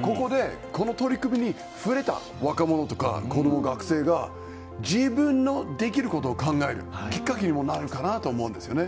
ここでこの取り組みに触れた若者とか子供、学生が自分のできることを考えるきっかけにもなるかなと思うんですね。